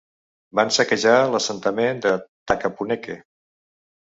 Van saquejar l'assentament de Takapuneke.